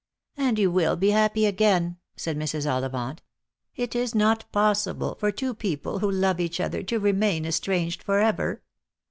" And you will be happy again," eaid Mrs. Ollivant. " It is not possible for two people wha love each other to remain estranged for ever."